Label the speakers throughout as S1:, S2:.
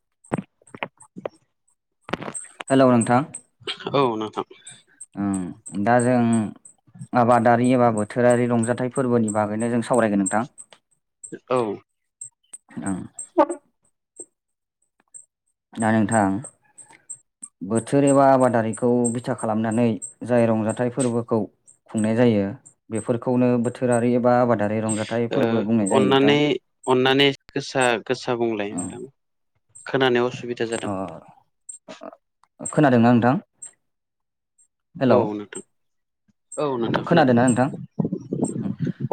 S1: [unintelligible]
S2: Hello नोंथां
S1: औ नोंथां
S2: दा जों आबादारि एबा बोथोरारि रंजाथाइ फोरबोनि बागैनो जों सावरायगोन नोंथां
S1: औ
S2: ओं दा नोंथां बोथोर एबा आबादारिखौ बिथा खालामनानै जाय रंजाथाइ फोरबोखौ खुंनाय जायो बेफोरखौनो बोथोरारि एबा आबादारि रंजाथाइ फोरबो बुंनाय जायो नोंथां
S1: अननानै अननानै गोसा गोसा बुंलाय
S2: ओम
S1: नोंथां खोनानो असुबिदा जादों
S2: अ खोनादोंना नोंथां हेलौ
S1: औ नोंथां औ नोंथां खोनादों
S2: खोनादोंना नोंथां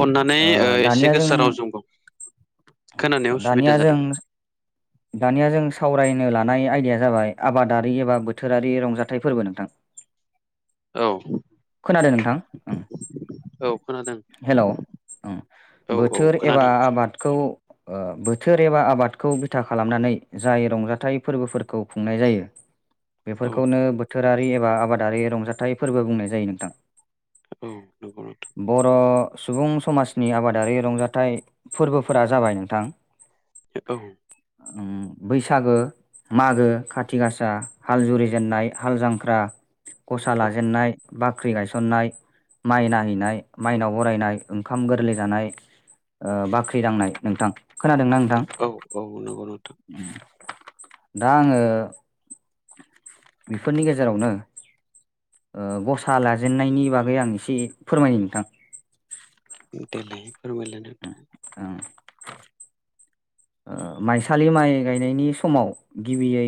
S1: अननानै
S2: ओ दानिया
S1: एसे गोसा राव जों खोनानायाव
S2: दानिया
S1: सुबिदा
S2: जों
S1: जादों
S2: दानिया जों सावरायनो लानाय आयदाया जाबाय आबादारि एबा बोथोरारि रंजाथाइ फोरबो नोंथां
S1: औ
S2: खोनादों नोंथां ओं
S1: औ खोनादों
S2: हेलौ
S1: औ औ
S2: बोथोर एबा
S1: खोनादों खोनादों
S2: आबादखौ बोथोर एबा आबादखौ बिथा खालामनानै जाय रंजाथाइ फोरबोफोरखौ खुंनाय जायो
S1: औ
S2: बेफोरखौनो बोथो- रारि एबा आबादारि रंजाथाइ फोरबो बुंनाय जायो नोंथां
S1: औ नंगौ नोंथां
S2: बर सुबुं समाजनि आबादारि रंजाथाइ फोरबोफोरा जाबाय नोंथां
S1: औ
S2: बैसागो मागो खाथि गासा हाल जुरिजेननाय हाल जांख्रा गसा
S1: औ
S2: लाजेेननाय बाख्रि गायसननाय माइ नायहैनाय माइनाव बरायनाय ओंखाम गोरलै जानाय बाख्रि दांनाय नोंथां खोनादोंना नोंथां
S1: औ औ नंगौ नोंथां
S2: दा आङो बेफोरनि गेजेरावनो ओ गसा लाजेननायनि बागै आं एसे फोरमायनि नोंथां
S1: देलाय फोरमायलाय नोंथां
S2: ओं ओ माइसालि माइ गायनायनि समाव गिबियै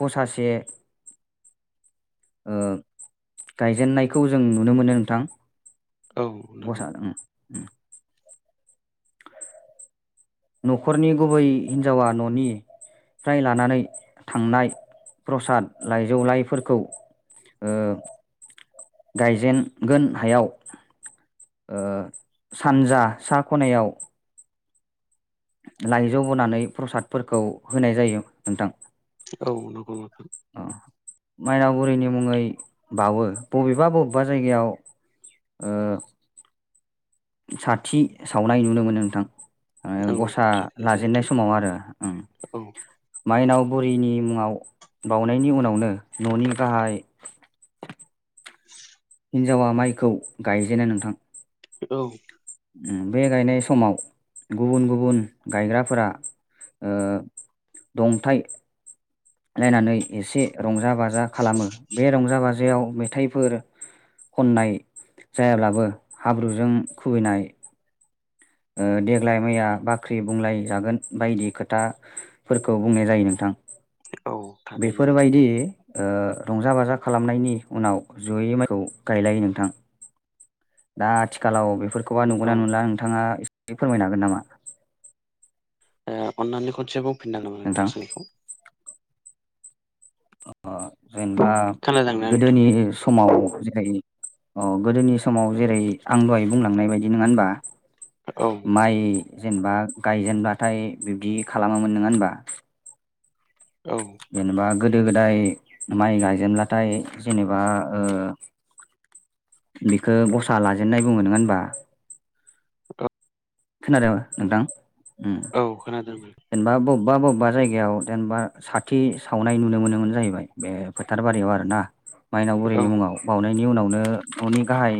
S2: गसासे ओ गायजेननायखौ जों नुनो मोनो नोंथां
S1: औ नंगौ
S2: ओम न'खरनि गुबै हिनजावा न'नि फ्राय लानानै थांनाय प्रसाद लाइजौलाइफोरखौ ओ गायजेनगोन हायाव ओ सानजा सा खनायाव लायजौ बनानै प्रसादफोरखौ होनाय जायो नोंथां।
S1: औ नंगौ नोंथां।
S2: अ माइनाव बुरैनि मुङै बावो। बबेबा बबेबा जायगायाव ओ साथि सावनाय नुनो मोनो नोंथां। ओ
S1: औ
S2: गसा
S1: थारैनो
S2: लाजेननाय समाव आरो ओ
S1: नोंथां
S2: माइनाव बुरिनि मुङाव बाउनायनि उनावनो न'नि गाहाइ
S1: [inaudible]
S2: हिन्जावा माइखौ गायजेनो नोंथां।
S1: औ।
S2: बे गायनाय समाव गुबुन गुबुन गायग्राफोरा ओ दंथाय लायनानै एसे रंजा बाजा खालामो। बे रंजा बाजा जायाव मेथाइफोर खननाय जायाब्लाबो हाब्रुजों खुबैनाय ओ देग्लाय माइया बाख्रि बुंलाय जागोन बायदि खोथाफोरखौ बुंनाय जायो नोंथां।
S1: औ थारैनो
S2: बेफोरबायदि ओ रंजा बाजा खालामनायनि उनाव जयै माइखौ गायलायो नोंथां। दा आथिखालाव बेफोरखौबा
S1: औ
S2: नुगोनना
S1: ओ
S2: नुला नोंथाङा एसे फोरमायनो हागोन नामा?
S1: ओ अन्नानै खनसे बुंफिननो नामा नोंथां सोंलुखौ।
S2: ओ जेनेबा
S1: खोनादोंना नोंथां
S2: गोदोनि समाव जेरै अ गोदोनि समाव जेरै आं दहाय बुंलांनाय बायदि नङा होनबा?
S1: औ
S2: माइ जेनेबा गायजेनबाथाय बिब्दि खालामामोन नङा होनबा?
S1: औ
S2: जेनोबा गोदो गोदाय माइ गायजेनब्लाथाय जेनेबा ओ बेखौ गसा लाजेननाय बुङो नोङा होनबा?
S1: [unintelligible]
S2: खोनादों नोंथां? उम
S1: औ खोनादों नों
S2: जेनेबा बबेबा बबेबा जायगायाव जेनेबा साथि सावनाय नुनो मोनोमोन जाहैबाय बे फोथारबारि आव आरोना मायनाव
S1: औ
S2: बुरैनि मुङाव बावनायनि उनावनो न'नि गाहाय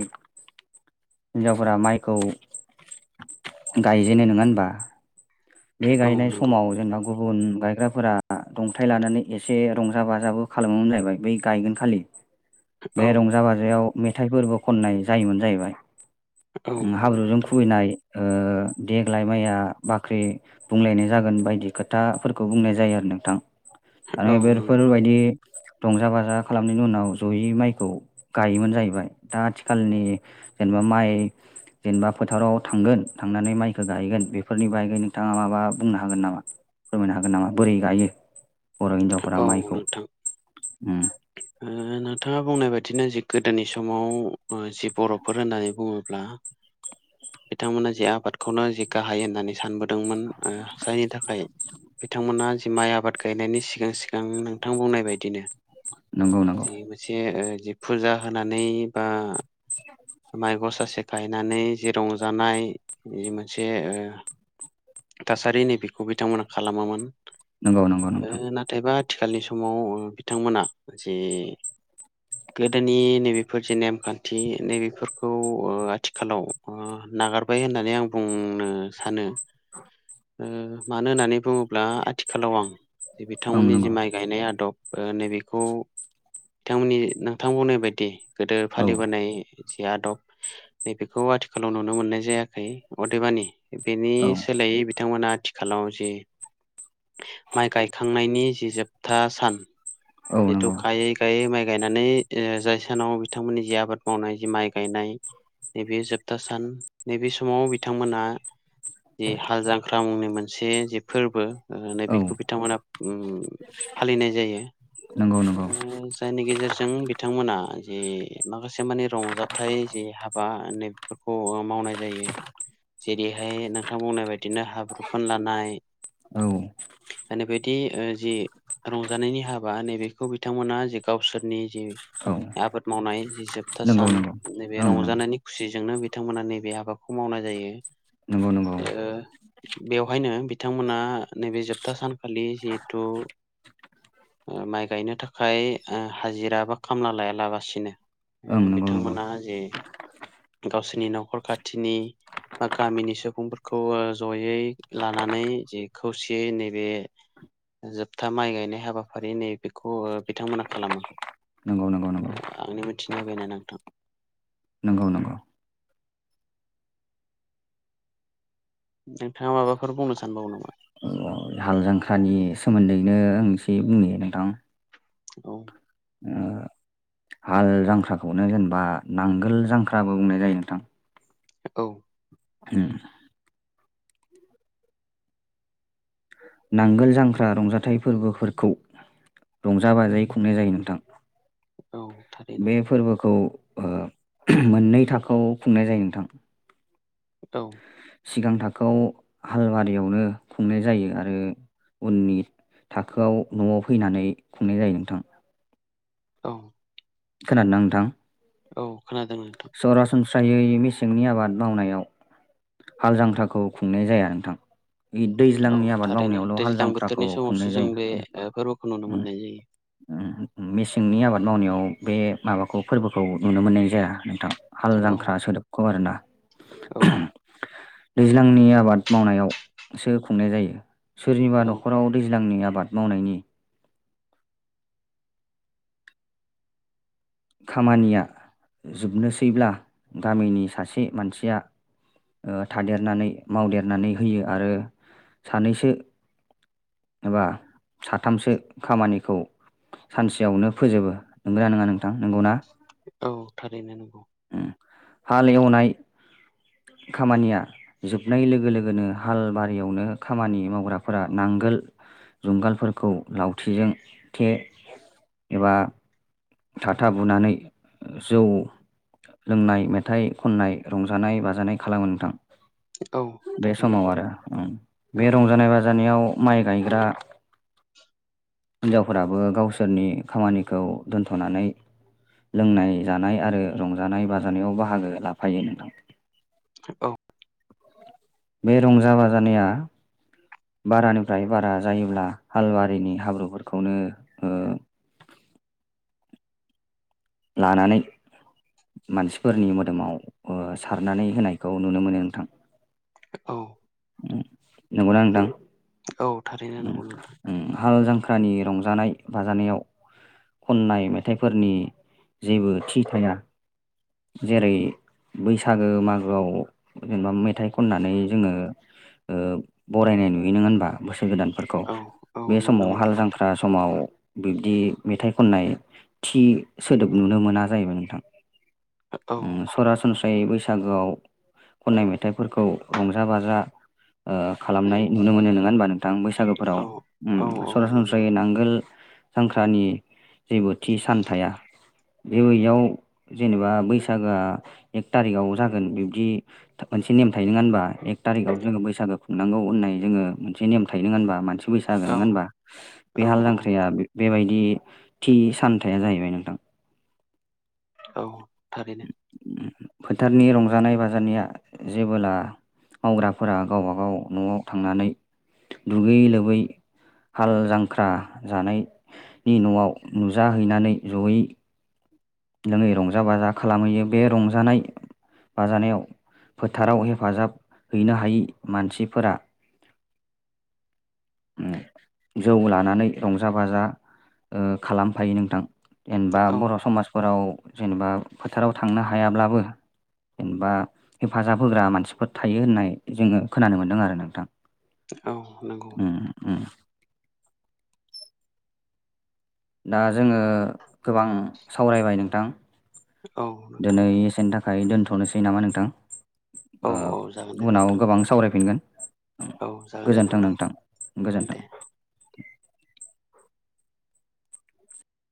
S2: हिनजावफोरा माइखौ गायजेनो नङा होनबा? बे
S1: औ
S2: गायनाय
S1: नंगौ
S2: समाव जोंना गुबुन गायग्राफोरा दंथाइ लानानै एसे रंजा बाजाबो खालामोमोन जाहैबाय बै गायगोन खालि।
S1: औ
S2: बे रंजा बाजायाव मेथाइफोरबो खननाय जायोमोन जाहैबाय।
S1: औ
S2: ओ
S1: नंगौ
S2: हाब्रुजों
S1: नोंथां
S2: खुबैनाय ओ देग्लाय माइया बाख्रि बुंलायनाय जागोन बायदि खोथाफोरखौ बुंनाय जायो आरो नोंथां आरो
S1: औ नंगौ
S2: बेफोरबायदि रंजा बाजा खालामनायनि उनाव जयै माइखौ गायोमोन जाहैबाय दा आथिखालनि जेनेबा माइ जेनेबा फोथाराव थांगोन, थांनानै माइखौ गायगोन बेफोरनि बागै नोंथाङा माबा बुंनो हागोन नामा फोरमायनो हागोन नामा? बोरै गायो। बर' हिनजावफोरा
S1: औ
S2: माइखौ
S1: नोंथां।
S2: उम
S1: ओ नोंथाङा बुंनाय बाय दिनो जि गोदोनि समाव ओ जि बर'फोर होननानै बुङोब्ला बिथांमोना जे आबादखौनो जि गाहाय होननानै सानबो
S2: [inaudible]
S1: बिथांमोना जि माइ आबाद गायनायनि सिगां सिगां नोंथां बुंनाय बायदिनो
S2: नंगौ नंगौ
S1: जि मोनसे ओ जि फुजा होनानै बा माइ गसासे गायनानै जि रंजानाय जि मोनसे ओ थासारि नैबेखौ बिथांमोना खालामामोन।
S2: नंगौ नंगौ नोंथां
S1: ओ नाथायबा आथिखालनि समाव बिथांमोना जे गोदोनि नैबेफोर जे नेमखान्थि नैबे बेफोरखौ ओ आथिखालाव ओ नागारबाय होननानै आं बुंनो सानो ओ मानो होननानै बुङोब्ला आथिखालाव आं
S2: ओं
S1: बिथांमोननि
S2: नंगौ
S1: जि माइ गायनाय आदब ओ नैबेखौ बिथांमोननि नोंथां बुंनाय बायदि गोदो
S2: औ
S1: फालिबोनाय जि आदब नैबेखौ आथिखालाव नुनो मोननाय जायाखै अदेबानि बेनि
S2: औ
S1: सोलायै बिथांमोना आथिखालाव जि माइ गायखांनायनि जि जोबथा सान
S2: औ
S1: बेथ'
S2: नंगौ
S1: गायै गायै माइ गायनानै ओ जाय सानाव बिथांमोननि जि आबाद मावनाय जि माइ गायनाय नैबे जोबथा सान नैबे समाव बिथांमोना जि हाल जांख्रा मुंनि मोनसे जि फोरबो ओ नै
S2: औ
S1: बेखौ बिथांमोना फालिनाय जायो
S2: नंगौ नंगौ
S1: उम जायनि गेजेरजों बिथांमोना जे माखा से माने रंजाथाइ जि हाबा माने बेफोरखौ मावनाय जायो जेरैहाय नोंथां बुंनाय बायदिनो हाब्रु फोनलानाय
S2: औ
S1: माने बिदि जि रंजानायनि हाब बा नैबेखौ बिथांमोना जे गावसोरनि जि
S2: औ
S1: आबाद मावनाय जि जोबथा
S2: नंगौ
S1: सान
S2: नंगौ
S1: नैबे
S2: ओं नंगौ
S1: रंजानायनि खुसिजोंनो बि थांमोना नैबे हाबाखौ मावनाय जायो।
S2: नंगौ नंगौ
S1: ओ बेवहायनो बिथांमोना नैबे जोब था सानखालि जिहेतु ओ माइ गायनो थाखाय ओ हाजिरा बा खामला लायालाबासिनो
S2: ओं
S1: ओ
S2: नंगौ नंगौ
S1: बिथांमोनहा जे गावसोरनि नखर खाथिनि बा गामिनि सुबुंफोरखौ जयै लानानै जि खौसेयै नैबे जोबथा माइ गायनाय हाबाफारि नै बेखौ ओ बिथांमोना खालामो
S2: नंगौ नंगौ नंगौ
S1: ओ आंनि मोथिनाया बेनो नोंथां
S2: नंगौ नंगौ
S1: नोंथाङा माबाफोर बुंनो सानबावो नामा
S2: नंगौ हाल जांख्रानि सोमोन्दैनो आं एसे बुंनि नोंथां
S1: औ
S2: ओ हाल जांख्राखौनो जेनेबा नांगोल जांख्राबो बुंनाय जायो नोंथां।
S1: औ
S2: उम नांगोल जांख्रा रंजाथाइ फोरबोफोरखौ रंजा बाजायै खुंनाय जायो नोंथां
S1: औ थारैनो
S2: बे फोरबोखौ ओ मोननै थाखोआव खुंनाय जायो नोंथां।
S1: औ
S2: सिगां थाखोआव हालवारियावनो खुंनाय जायो आरो उननि थाखोआव न'आव फैनानै खुंनाय जायो नोंथां
S1: औ
S2: खोनादोंना नोंथां?
S1: औ खोनादों नोंथां
S2: सरासनस्रायै मेसेंनि आबाद मावनायाव हाल जांख्राखौ खुंनाय जाया नोंथां
S1: औ
S2: दैज्लांनि आबाद
S1: थारैनो
S2: मावनायावल' हाल
S1: दैज्लां
S2: जांख्राखौ
S1: बोथोरनि समावसो
S2: खुंनाय
S1: जों बे ओ फोरबोखौ नुनो
S2: जायो
S1: मोननाय
S2: मेसेंनि आबाद मावनायाव बे माबाखौ फोरबोखौ नुनो मोननाय जाया नोंथां हाल
S1: जायो
S2: जांख्रा सोदोबखौ आर ना
S1: औ
S2: दैज्लांनि आबाद मावनायावसो खुंनाय जायो सोरनिबा
S1: औ
S2: न'खराव दैज्लांनि आबाद आबाद मावनायनि खामानिया जोबनोसैब्ला गामिनि सासे मानसिया ओ थादेरनानै मावदेरनानै होयो आरो सानैसो एबा साथामसो खामानिखौ सानसेयावनो फोजोबो नंगोना नङा नोंथां नंगौना?
S1: औ थारैनो नंगौ।
S2: उम हाल एवनाय खामानिया जोबनाय लोगो लोगोनो हाल बारियावनो खामानि मावग्राफोरा नांगोल जुंगालफोरखौ लावथिजों थे एबा थाथा बुनानै जौ लोंनाय मेथाइ खननाय रंजानाय बाजानाय खालामो नोंथां।
S1: औ
S2: बे
S1: थारैनो
S2: समाव आरो ओम बे
S1: औ
S2: रंजानाय बाजानायाव माइ गायग्रा हिन्जावफोराबो गावसोरनि खामानिखौ दोनथ'नानै लोंनाय जानाय आरो रंजानाय बाजानायाव बाहागो लाफायो नोंथां।
S1: औ।
S2: बे रंजा बाजानाया बारानिफ्राय बारा जायोब्ला हालवारिनि हाब्रुफोरखौनो ओ [inaudible] लानानै मानसिफोरनि मोदोमाव ओ सारनानै होनायखौ नुनो मोनो नोंथां।
S1: औ।
S2: नंगौना नोंथां?
S1: औ थारैनो
S2: उम
S1: नंगौ नोंथां
S2: उम हाल जांख्रानि रंजानाय बाजानायाव खननाय मेथाइफोरनि जेबो थि थाया। जेरै बैसागो मागोआव जेनेबा मेथाइ खननानै जोंङो ओ बरायनाय नुयो नङा होनबा बोसोर गोदान फोरखौ
S1: औ औ
S2: बे
S1: नुनो
S2: समाव
S1: मोनो
S2: हाल
S1: नोंथां
S2: जांख्रा समाव बिदि मेथाइ खननाय थि सोदोब नुनो मोना जाहैबाय नोंथां।
S1: औ
S2: उम सरासनस्रायै बैसागोआव खननाय मेथाइफोरखौ रंजा बाजा ओ खालामनाय नुनो मोनो नङा होनबा नों थां बैसागोफोराव
S1: औ
S2: उम
S1: औ औ नुनो
S2: सरासनस्रायै
S1: मोनो
S2: नांगोल जांख्रानि जेबो थि सान थाया बे बैयाव जेनेबा बैसागोआ एक थारिगाव जागोन बिबदि मोनसे नेम थायो नङा होनबा एक थारि कआव जोंङो बैसागु खुंनांगौ होननाय जोंङो मोनसे नेम थायो होनबा मान बैसागो
S1: औ
S2: नोंङा होनबा बे
S1: औ
S2: हाल
S1: औ
S2: जांख्राया
S1: नंगौ
S2: बेबायदि थि सानथाया जाहैबाय नोंथां।
S1: औ थारैनो।
S2: फोथारनि रंजानाय बाजानाया जेबोला मावग्राफोरा गावबागाव न'आव थांनानै दुगैयै लोबै हाल जांख्रा जानायनि न'आव नुजाहैनानै जयै लोंङै रंजा बाजा खालामहैयो बे रंजानाय बाजानायाव फोथाराव हेफाजाब हैनो हायि मानसिफोरा उम जौ लानानै रंजा बाजा ओ खालामफायो नोंथां। जेनेबा
S1: औ
S2: बर' समाजफोराव जेनेबा फोथाराव थांनो हायाब्लाबो जेनेबा हेफाजाब होग्रा मानसिफोर थायो होननाय जोंङो खोनानो मोनदों आरो नोंथां।
S1: औ। नंगौ
S2: उम उम। दा जोंङो गोबां सावरायबाय नोंथां।
S1: औ नोंथां।
S2: दिनै एसेनि थाखाय दोनथ'नोसै नामा नोंथां
S1: औ औ जागोन दे
S2: उनाव
S1: नोंथां
S2: गोबां सावरायफिनगोन
S1: औ जागोन दे
S2: गोजोन्थों नोंथां गोजोन्थों।
S1: दे